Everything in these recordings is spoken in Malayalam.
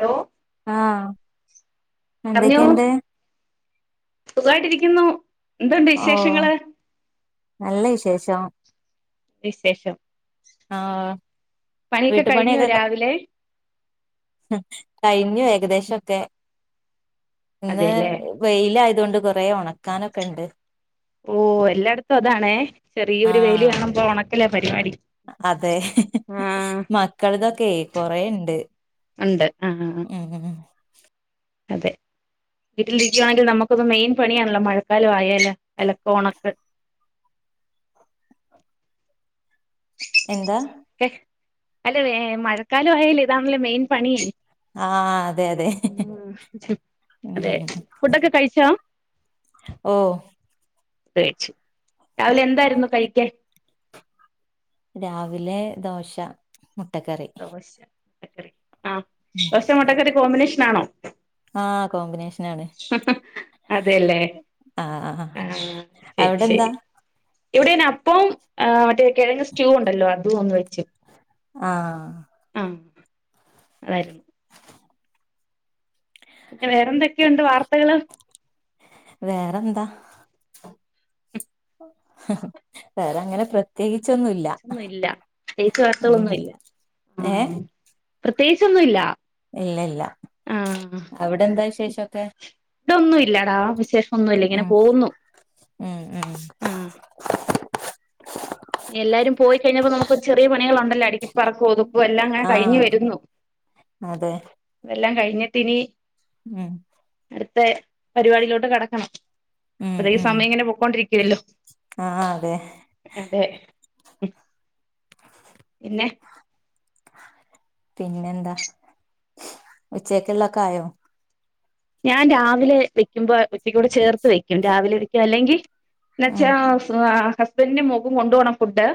ഹലോ ആഹ് പറഞ്ഞോ എന്തക്കെയിണ്ട്? സുഖായിട്ടിരിക്കുന്നു എന്തുണ്ട് ഓ വിശേഷങ്ങള്? നല്ല വിശേഷം വിശേഷം ആഹ് പണിയൊക്കെ കഴിഞ്ഞോ വീട്ടുപണിയൊക്കെ ക രാവിലെ? കഴിഞ്ഞു ഏകദേശൊക്കെ ഇന്ന് അതെല്ലേ വെയിലായതോണ്ട് കൊറേ ഒണക്കാനൊക്കെണ്ട് ഓഹ് എല്ലായിടത്തും അതാണ് ചെറിയ ഒരു വെയില് ആഹ് കാണുമ്പോ ഒണക്കല പരിപാടി അതെ മക്കൾതെ ഒക്കെ കൊറേ ഇണ്ട്. ആഹ് ആഹ് അതെ വീട്ടിലിരിക്കുവാണെങ്കി നമുക്കുള്ള മെയിൻ പണിയാണല്ലോ മഴക്കാലം ആയാല് അലക്ക, ഒണക്ക് എന്താ? അല്ല മഴക്കാലം ആയാലെ ഇതാണല്ലോ മെയിൻ പണീന്ന്? ആഹ് അതെ അതെ [unintelligible] അതെ ഉം ഫുഡൊക്കെ കഴിച്ചോ? ഓഹ് കഴിച്ച് രാവിലെ എന്തായിരുന്നു കഴിക്കാൻ? രാവിലെ ദോശ മുട്ടക്കറി. ദോശ മുട്ടക്കറി ആ ദോശ മുട്ടക്കറി കോമ്പിനേഷൻ ആണോ? ആ കോമ്പിനേഷനാണ്. അതേ ല്ലേ ആഹ് ആഹ് ആ ശരി അവിടെന്താ ശരി ഇവ്ടേ ന്നെ അപ്പോം ആ മറ്റേ കിഴങ്ങ് സ്റ്റൂ ഉണ്ടല്ലോ അതും ഒന്ന് വെച്ച് ആഹ് ആ അതായിരുന്നു പിന്നെ വേറെന്തൊക്കെയുണ്ട് വാർത്തകള്? വേറെന്താ വേറെങ്ങനെ പ്ര ത്യേകിച്ചൊന്നും ഇല്ല ച്ചൊന്നു ഇല്ല പ്രത്യേകിച്ച് വാർത്തകളൊന്നു ഇല്ല ഏഹ് ഉം പ്രത്യേകിച്ചൊന്നു ഇല്ല ഇല്ല ഇല്ല അവ്ടെ എന്താ വിശേഷൊക്കെ ഇവ്ടൊന്നു ഇല്ലെടാ വിശേഷ ഒന്നു ഇല്ല ഇങ്ങനെ ഉം പോകുന്നു ഉം എല്ലാരും പോയികഴിഞ്ഞപ്പോ നമുക്ക് ഒരു ചെറിയ പണികളുണ്ടല്ലോ അടിക്കി പറക്കും ഒതുക്കും എല്ലാം ങ്ങനെ കഴിഞ്ഞു ആഹ് വരുന്നു അതെ അതെല്ലാം കഴിഞ്ഞിട്ടിനി ഉം അടുത്ത പരിപാടിയിലോട്ട് കടക്കണം അപ്പഴേക്ക് സമയം ഇങ്ങനെ പൊക്കോണ്ടിരിക്കുവല്ലോ ആ അതെ തേ പിന്നെ പിന്നെന്താ ഉച്ചക്കുള്ളൊക്കെ ആയോ ഞാൻ രാവിലെ വെയ്ക്കുമ്പോ ഉച്ചയ്ക്കൂടെ ചേർത്ത് വെയ്ക്കും രാവിലെ വയ്ക്കും അല്ലെങ്കി ഉം എന്നുവച്ചാ ഹസ് ഹസ്ബന്റും മോക്കും കൊണ്ടു പോണം ഫുഡ്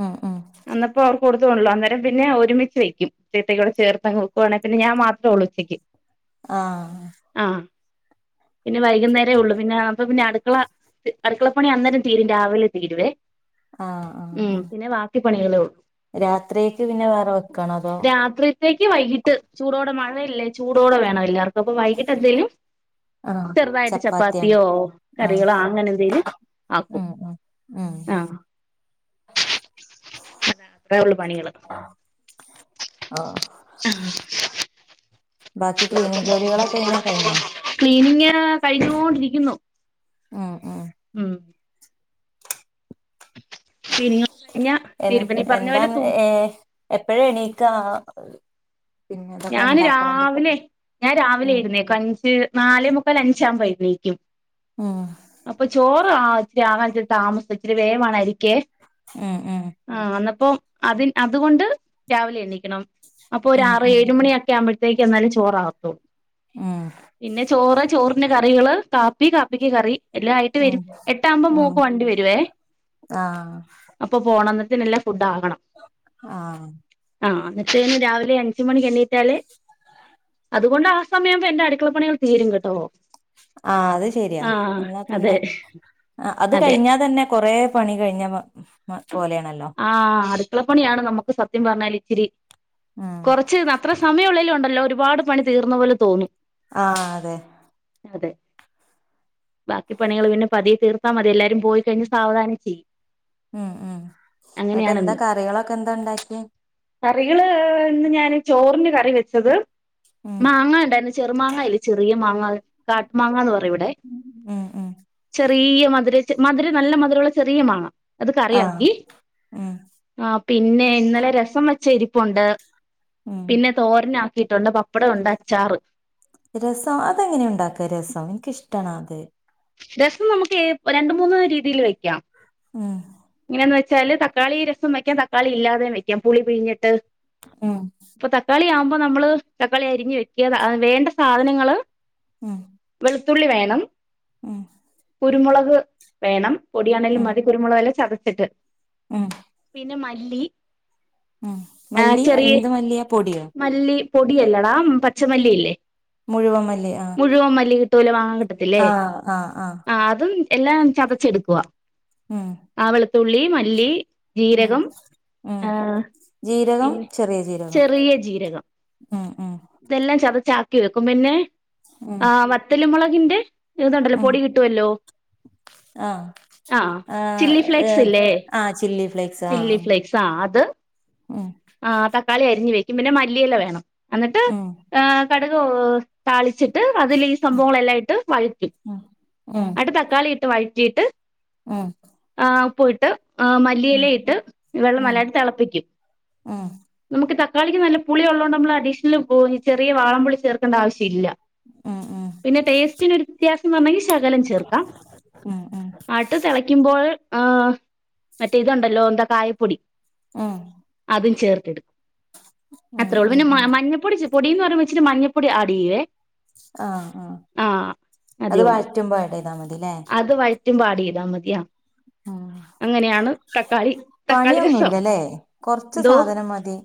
ഉം ഉം അന്നപ്പോ അവർക്ക് കൊടുത്ത് വിടണോല്ലൊ അന്നേരം പിന്നെ ഒരുമിച്ച് വയ്ക്കും ഉച്ചയ്ക്കത്തേക്കൂടെ ചേർത്ത് അങ്ങ് വയ്ക്കുവാണെങ്കി പിന്നെ ഞാൻ മാത്രേ ഉള്ളൂ ഉച്ചയ്ക്ക് ആഹ് ആ പിന്നെ വൈകുന്നേരേ ഒള്ള് പിന്നെ അപ്പ പിന്നെ അടുക്കളാ അടുക്കളപ്പണി അന്നേരം തീരും രാവിലെ തീരുവേ ആഹ് ഉം പിന്നെ ബാ ക്കി പണികളേ ഒള്ളൂ രാത്രിയേക്ക് പിന്നെ വേറെ വെക്കാണോ അതോ രാത്രിയത്തേക്ക് വൈകിട്ട് ചൂടോടെ മഴയല്ലേ ചൂടോടെ വേണം എല്ലാർക്കും അപ്പ വൈകിട്ട് എന്തേലും ആഹ് ചെറുതായിട്ട് ചപ്പാത്തിയാണ് ചപ്പാത്തിയോ ആഹ് കറികളോ അങ്ങനെ എന്തേലും ആക്കും ഉം ഉം ഉം അതാ അത്രേ ഒള്ളൂ പണികള് ഓഹ് ആ ബാക്കി ക്ലീനിംങ്ങ് ജോലികളൊക്കെ എങ്ങനേ കഴിഞ്ഞോ ക്ലീനിംങ്ങ് കഴിഞ്ഞോണ്ടിരിയ്ക്കുന്നു ഉം ഉം ഉം ക്ലീനിങ് കഴിഞ്ഞ എ തീരുപ്പനി പറഞ്ഞ പോലെ എന്താന്ന് തൂ ഏ എപ്പഴാ എണീക്കാ പിന്നെ ഇതൊക്കെ ഞാന് ഇണ്ടാക്കണെങ്കില് രാവിലെ ഞാൻ രാവിലെ ഉം എഴുന്നേക്കും അഞ്ച് നാലേമുക്കാല് അഞ്ചാകുമ്പൊ എഴുന്നേക്കും ഉം അപ്പൊ ചോറ് ആവാ ഇച്ചിരി ആവാൻ ഇച്ചരി താമസിച്ചു ഇച്ചിരി വേവാണ് അരിക്കെ ഉം ഉം ആഹ് അന്നപ്പം അതിൻ അതുകൊണ്ട് രാവിലെ എണ്ണീക്കണം അപ്പൊ ഒരു ഉം ആറ് ഉം ഏഴ് മണിയൊക്കെ ആവുമ്പയത്തേക്ക് എന്നാലും ചോറാക്കും ഉം പിന്നെ ചോറ് ചോറിന് കറി കറികള് കാപ്പി കാപ്പിക്ക് കറി എല്ലാം ആയിട്ട് ഉം വരും എട്ട് ആകുമ്പം ഉം മോക്ക് വണ്ടി വരുവേ ആഹ് അപ്പൊ പോണം അന്നരത്തിന് എല്ലാം ഫുഡാകണം ആഹ് ആഹ് അന്നരത്തേന് രാവിലെ അഞ്ച് മണിക്ക് എണീറ്റാലേ അതുകൊണ്ട് ആ സമയാവുമ്പം എന്റെ അടുക്കളപ്പണികൾ തീരും കേട്ടോ? ആഹ് അത് ശരിയാ ആഹ് എന്നാ പിന്നെ അതെ അത് അതെ കഴിഞ്ഞാ തന്നെ കൊറേ പണി കഴിഞ്ഞ മ പോലേണല്ലോ? ആഹ് അടുക്കളപ്പണിയാണ് നമുക്ക് സത്യം പറഞ്ഞാലിച്ചിരി ഉം കൊറച്ച് ന അത്ര സമയം ഒള്ളേലും ഉണ്ടല്ലോ ഒരുപാട് പണി തീർന്ന പോലെ തോന്നും ആഹ് അതന്നെ അതെ ബാക്കി പണികള് പിന്നെ പതിയെ തീർത്താ മതി എല്ലാരും പോയി കഴിഞ്ഞ് സാവധാനം ചെയ്യും ഉം ഉം ഇങ്ങട്ട് എന്താ അങ്ങനെയാണെന്നും കറികളൊക്കെ എന്താ ഇണ്ടാക്കിയേ? കറികള് ഇന്ന് ഞാന് ചോറിന് കറിവെച്ചത് ഉം മാങ്ങ ഇണ്ടായിരുന്നു ചെറു മാങ്ങയില്ലേ ചെറിയ മാങ്ങ കാട്ടു മാങ്ങ എന്ന് പറയും ഇവിടെ ഉം ഉം ചെറിയ മധുരച്ച് മധുരം നല്ല മധുരവുള്ള ചെറിയ മാങ്ങ അത് ആഹ് കറിയാക്കി ഉം ആഹ് പിന്നെ ഇന്നലെ രസം വെച്ചത് ഇരിപ്പുണ്ട് ഉം പിന്നെ തോരനാക്കിയിട്ടുണ്ട് പപ്പടം ഉണ്ട് അച്ചാറ് രസം അതെങ്ങനെയുണ്ടാക്ക രസം? എനിക്കിഷ്ട്ടാണ് അത് രസം നമുക്ക് രണ്ട് മൂന്ന് രീതിയില് വെക്കാം ഉം എങ്ങനേന്ന് വെച്ചാല് തക്കാളി രസം വയ്ക്കാം തക്കാളി ഇല്ലാതെയും വെക്കാം പുളി പിഴിഞ്ഞിട്ട് ഉം ഇപ്പൊ തക്കാളി ആവുമ്പോ നമ്മള് തക്കാളി അരിഞ്ഞ് വെക്കുക വേണ്ട സാധനങ്ങള് ഉം വെളുത്തുള്ളി വേണം ഉം കുരുമുളക് വേണം പൊടിയാണേലും ഉം മതി കുരുമുളക് എല്ലാം ചതച്ചിട്ട് ഉം പിന്നെ മല്ലി ഉം ആഹ് മല്ലി ചെറിയ എന്ത് മല്ലിയാ പൊടിയോ? മല്ലി പൊടിയല്ലടാ പച്ചമല്ലിയില്ലേ? മുഴുവൻ മല്ലി ആഹ് മുഴുവൻ മല്ലി കിട്ടുവല്ലോ വാങ്ങാൻ കിട്ടത്തില്ലേ? ആഹ് ആഹ് ആഹ് അതും എല്ലാം ചതച്ചെടുക്കുവ ഉം ആഹ് വെളത്തുള്ളി, മല്ലി ഉം ജീരകം, ഉം ആഹ് ജീരകം പിന്നെ ചെറിയ ജീരകം ചെറിയ ജീരകം ഉം ഉം ഇതെല്ലാം ചതച്ച് ആക്കി വെക്കും പിന്നെ ഉം ആ വറ്റല്മുളകിന്റെ ഇത് ഒണ്ടല്ലോ ഉം പൊടി കിട്ടുവല്ലോ ആഹ് ആഹ് ചില്ലി ആഹ് ഫ്ലെക്സില്ലേ ആഹ് ചില്ലി ഫ്ലേക്സ് ആഹ് ചില്ലി ഫ്ലെക്സ് ആഹ് അത് ഉം ആഹ് തക്കാളി അരിഞ്ഞ് വെക്കും പിന്നെ മല്ലിയില വേണം എന്നിട്ട് ഉം ആഹ് കടക് താളിച്ചിട്ട് അതിൽ ഈ സംഭവങ്ങളെല്ലാം ഇട്ട് വഴറ്റി ഉം ഉം അന്നിട്ട് തക്കാളി ഇട്ട് വഴറ്റിയിട്ട് ഉം ആഹ് ഉപ്പു ഇട്ട് ഉം മല്ലിയിലയിട്ട് വെള്ളം ഉം നല്ലായിട്ട് തെളപ്പിക്കും ഉം നമുക്ക് തക്കാളിക്ക് നല്ല പുളി ഉള്ളോണ്ട് നമ്മള് അഡീഷണൽ ചെറിയ വാളംപുളി ചേർക്കണ്ട ആവശ്യം ഇല്ല ഉം ഉം പിന്നെ ടേസ്റ്റിനൊരു വ്യത്യാസം വരണെങ്കിൽ ശകലം ചേർക്കാം ഉം ഉം ഉം ആട്ട് തിളക്കുമ്പോൾ ആഹ് മറ്റേ ഇതുണ്ടല്ലോ എന്താ കായപ്പൊടി ഉം അതും ചേർത്തിടും ഉം അത്രൊള്ളു ഉം പിന്നെ ഉം മഞ്ഞ പൊടി പൊടീന്ന് പറയുമ്പോ ഇച്ചിരി മഞ്ഞ പൊടി ആഡിയ്യുവേ ആഹ് ആഹ് അത് അതേ ഉള്ളൂ വഴറ്റുമ്പോ ആഡ് ചെയ്താ മതില്ലേ അത് വഴറ്റുമ്പോ ആഡ് ചെയ്താൽ മതിയ ഉം തക്കാളി രസം പണിയൊന്നുല്ലല്ലേ കൊറച്ച് എന്തോ സാധനം മതി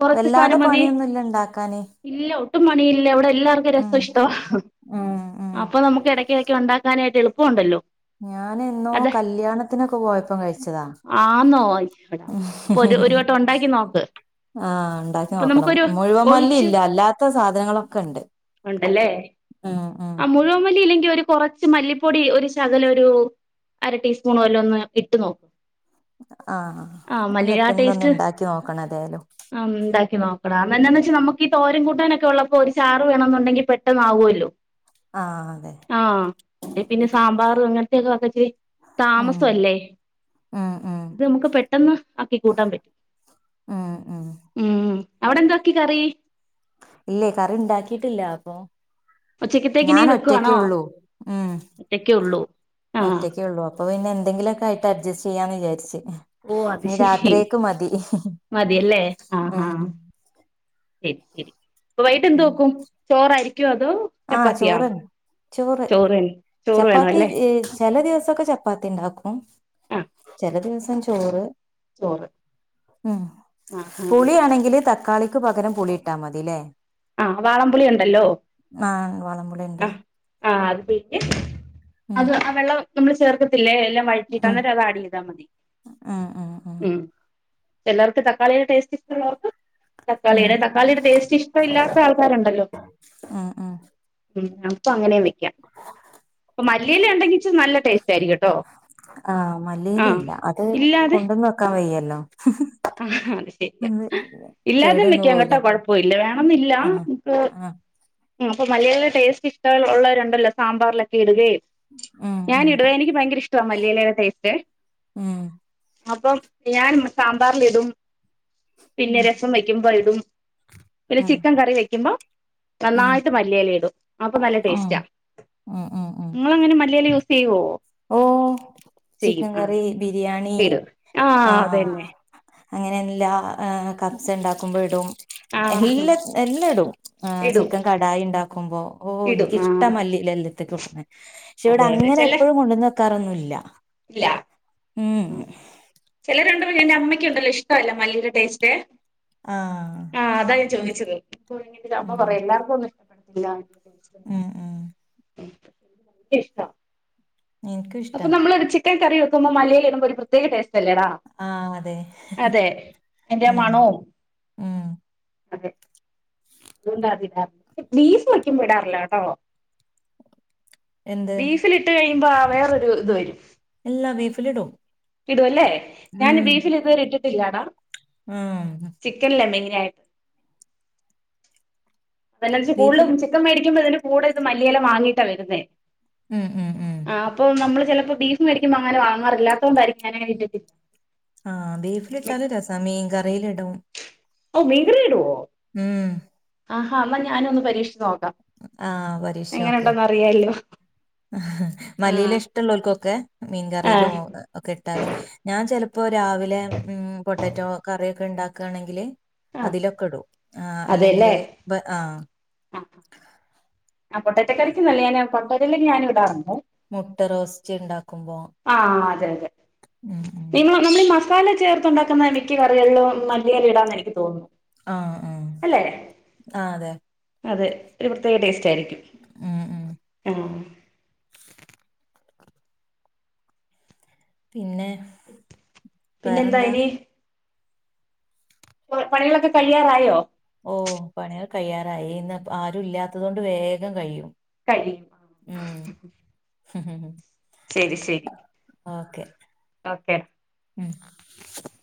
കൊറച്ച് വല്ലാതെ സാനം മതി പണിയൊന്നുല്ല ഇണ്ടാക്കാന് ഇല്ല ഒട്ടും പണിയില്ല ഇവിടെ എല്ലാവർക്കും ഉം രസം ഇഷ്ടോ ഉം ഉം അപ്പൊ നമുക്ക് ഇടക്ക് ഇടക്ക് ഉണ്ടാ ക്കാനായിട്ട് എളുപ്പമുണ്ടല്ലോ ഞാൻ എന്നോ അതെ കല്യാണത്തിനൊക്കെ പോയപ്പം കഴിച്ചതാ ആന്നോ അയിശ്വടാ ഇപ്പൊരു ഒരു വട്ടം ഉണ്ടാക്കി നോക്ക് ആഹ് ഉണ്ടാക്കി ഇപ്പൊ നോക്കണം നമുക്കൊരു മുഴുവൻ മല്ലി ഒഴിച്ച് ഇല്ല അല്ലാത്ത സാധനങ്ങളൊക്കെ ഉണ്ട് ഉണ്ടല്ലേ ഉം ഉം ആ മുഴുവൻ മല്ലി ഇല്ലെങ്കിൽ ഒരു കുറച്ച് മല്ലി പൊടി ഒരു ശകലം ഒരു അര ടീസ്പൂൺ വരെ ഒന്ന് ഇട്ട് നോക്കും. ആഹ് ഇന്ന്ട്ട് ഇന്നൊന്നു ഉണ്ടാക്കി ഒന്ന് ഉണ്ടാക്കി നോക്കണം ഏതായാലും. ആ ണ്ടാക്കി നോക്കടാ അ എന്ന എന്താ വച്ചാൽ നമുക്ക് തോരൻ കൂട്ടാനൊക്കെ ഉള്ളപ്പോ ഒരു ചാറ് വേണം എന്നുണ്ടെങ്കിൽ പെട്ടന്നാവകുമല്ലോ ആഹ അതെ. ആഹ് പിന്നെ സാമ്പാർ അങ്ങനത്തെക്കെ വെക്ക ഇത്തിരി ഉം താമസം അല്ലേ ഉം ഉം ഇത് നമുക്ക് പെട്ടെന്ന് ആക്കി കൂട്ടാൻ പറ്റും ഉം ഉം ഉം അവിടെ എന്തോക്കി കറി ഇല്ലേ കറി ഇണ്ടാക്കിയിട്ടില്ല അപ്പൊ ഉച്ചക്കത്തേക്ക് ഇനി ഞൻ ഒറ്റക്കെ വെക്കുവാണോ ഉള്ളൂ ഉം ഒറ്റക്കേ ഉള്ളൂ ആഹ് ഒറ്റക്ക് ഉള്ളൂ അപ്പൊ പിന്നെന്തെങ്കിലൊക്കായിട്ട് അഡ്ജസ്റ്റ് ചെയ്യാന്ന് വിചാരിച്ച് ഓ അത് ഇനി ശരി രാത്രിയേക്ക് മതി മതിയല്ലേ ആഹ് ഹഹ ഉം ശരി ശരി അപ്പൊ വൈകിട്ട് എന്ത് വെക്കും ചോറായിരിക്കോ അതോ ആഹ ചപ്പാത്തിയാ ചോറ്ൻ ചോറ് ചോറ് വേണം ചപ്പാത്തി അല്ലേ ഈ ചില ദിവസക്കെ ചപ്പാത്തി ഉണ്ടാക്കും ആഹ് ചില ദിവസം ചോറ് ചോറ് ഉം ആഹ് ആഹ് പുളിയാണെങ്കില് തക്കാളി ക്ക് പകരം പുളി ഇട്ടാ മതി ല്ലേ ആ വാളംപുളി ഉണ്ടല്ലോ ആ വളം പുളിഉണ്ട് ആ അത് പിഴിഞ്ഞ് ഉം അത് ആ വെള്ളം നമ്മള് ചേർക്കത്തില്ലേ എല്ലാം വഴറ്റിട്ടന്നെ ഉം അന്നേരം അത് ആഡ് ചെയ്താ മതി ഉം ചിലർക്ക് തക്കളിയുടെ ടേസ്റ്റ് ഇഷ്ടമുള്ളവർക്ക് ഉം തക്കാളിയുടെ തക്കാളിയുടെ ടേസ്റ്റ് ഇഷ് ഇല്ലാത്ത ആൾക്കാരുണ്ടല്ലോ ഉം ഉം ഉം അപ്പൊ അങ്ങനെ നിക്ക ക്ക പ്പ മല്ലിയില ഉണ്ടെങ്കി നല്ല ടേസ്റ്റ് ആയിരിക്കുട്ടോ. ആഹ മല്ലിയിലല്ല. അത് കൊണ്ടന്ന് വെക്കാൻ വയ്യല്ലോ. ആഹ അത് ശരിയാ. അത് ഇല്ലാതെ കേടന്ന് വെക്കാം കേട്ടോ പോവൂലേ കൊഴപ്പല്ല വേണന്നില്ല ആഹ് നമക്ക്. ആഹ് അപ്പൊ മല്ലിയില ടേസ്റ്റ്ഷ്ട്ട ഉള്ളവരുണ്ടല്ലോ സാമ്പാറൊക്കെ ഇടുകയും. ഉം ഞാന് ഉം ഇടും എനിക്ക് ഭയങ്കര ഇഷ്ടമാ മല്ലിയിലയുടെ ടേസ്റ്റ്. ഉം അപ്പം ഞാൻ സാമ്പാറിൽ ഇടും പിന്നെ ഉം രസം വെക്കുമ്പോൾ ഇടും. പിന്നെ ഉം ചിക്കൻ കറി വെക്കുമ്പോ. ഉം നന്നായിട്ട് മല്ലിയല ഇടും അപ്പൊ നല്ല ഉം ടേസ്റ്റ. ഉം ഉം ഉം നിങ്ങൾ എങ്ങനെ മല്ലിയല യൂസ് ചെയ്യോ ഓ ചെയ്യും. ചിക്കൻ ആ കറി ബിരിയാണി ചെയ്യും ആഹ് അതന്നെ. അങ്ങനെ എല്ലാ കപ്സേ ഉണ്ടാക്കുമ്പോൾ ഇടും. ആ എല്ലാ എല്ലാം ഇടും ഇടും ചിക്കൻ കടായി ഉണ്ടാക്കുമ്പോ. ഓ ഇടും ആ എനിക്കിഷ്ട മല്ലി ഇല എല്ലത്തിക്കും ഇടുന്നേ. പക്ഷെ ഇവിടെ അതെ അതെ അങ്ങനെ ചെല എപ്പോഴും കൊണ്ടന്ന് വെക്കാറൊന്നുമില്ല. ഇല്ല. ഉം ചിലരുണ്ടല്ലോ എന്റെ അമ്മയ്ക്കുണ്ടല്ലോ ഇഷ്ടമല്ല മല്ലിയുടെ ടേസ്റ്റ്. ആഹ് ആഹ് താ ഞാൻ ചോദിച്ചത് ഇപ്പന്റെ അമ്മ ഉം പറയും എല്ലാർക്കുന്നും ഇഷ്ടപ്പെടത്തില്ലന്ന്. ഉം ഉം ഇനിക്ക് ഭയങ്കര ഇഷ്ട്ടാ. എനിക്കും അപ്പ ഇഷ്ടാ നമ്മള ഒരു ചിക്കൻ കറി വെുമ്പോൾ മല്ലിയില ഇടുമ്പോ ഒരു പ്രത്യേക ടേസ്റ്റ് അല്ലെ. ല്ലടാ ആഹ് അതെ അതെ അയിന്റെ ഉം മണവും. ഉം അതെ. അതുകൊണ്ട് അതിന്റെ ബീഫ് വയ്ക്കുമ്പോ ഇടാറില്ലോട്ടോ. എന്ത് ബീഫിലിട്ട് കഴിയുമ്പോ വേറൊരു ഇത് വരും. എല്ലാ ബീഫിലിടും ഇടുല്ലേ ഞാൻ ബീഫിൽ ഇതുവരെ ഇട്ടിട്ടില്ലാടാ. ആഹ് ചിക്കനിലെ മെയിനായിട്ട്. അലർജി കൂടുതലും ബീഫില് ചിക്കൻ മേടിക്ക്പോ ഇതിന് കൂടെ മല്ലിയില വാങ്ങീട്ടാ വരുന്നേ. ഉം ഉം ഉം. ആഹ് അപ്പൊ നമ്മൾ ചിലപ്പോ ബീഫും വേടിക്കുമ്പോൾ അങ്ങനെ വങ്ങാറില്ലാത്തത് കൊണ്ടാരിക്കും ഞാൻ അങ്ങനെ ഇട്ടിട്ടില്ല ആഹ് ബീഫിലിട്ടാലും രസാ മീൻ കറിയിൽ ഇടും. ഓഹ് മീൻ കറിയിലിടോ ഉം ആഹാ ന്നാ ഞാൻ ഒന്ന് പരീക്ഷിച്ച് നോക്കാം ആ എങ്ങനെണ്ടോന്ന് അറിയാല്ലോ മലിയില ആഹ് ഇഷ്ടമുള്ളവർക്കൊക്കെ മീൻ കറിയിലോ ആഹ് ഒക്കെ ഇട്ടാൽ ഞാൻ ചിലപ്പോ ഇപ്പൊ രാവിലെ ഉം പൊട്ടറ്റോ കറിയൊക്കെ ഉണ്ടാക്കുകയാണെങ്കിൽ ആഹ് അതിലൊക്കെ ഇടും ആഹ് അല്ലെങ്കിൽ അതെല്ലേ ഇപ്പോ ആഹ് ആഹ് പൊട്ടറ്റ കറിക്കുന്നല്ല ഞാൻ പൊട്ടറ്റയിലല്ലേ ഞൻ ഇടാറുണ്ട് മുട്ട റോസ്റ്റ് ഉണ്ടാക്കുമ്പോൾ ആഹ് അതെ അതെ നിങ്ങൾ നമ്മൾ ഈ മസാല ചേർത്തണ്ടാക്കുന്ന മിക്ക കറികളിലും മല്ലിയില ഇടാന്ന് എനിക്ക് തോന്നുന്നു. ആഹ് അല്ലെ ആഹ് ആഹ് അതെ അതെ പ്രത്യേക ടേസ്റ്റ് ആയിരിക്കും ഉം, ഉം. ഉം പിന്നെ പിന്നെ എന്താ വേറെന്താ അയിൻ ഇപ്പോ പണികളൊക്കെ കഴിയാറായോ ഓ പണികെ കഴിയാറായി ഇന്ന് ആരും ഇല്ലാത്തതൊണ്ട് വേഗം കഴിയും. കഴിയും ഉം [inaudible] ശരി ശരി ഓക്കെ ഓക്കെ [inaudible]